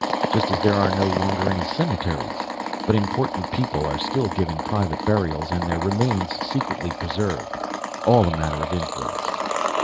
"Just as there are no longer any cemeteries. But important people are still given private burials and their remains secretly preserved. All a matter of influence."